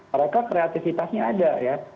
mereka kreatifitasnya ada ya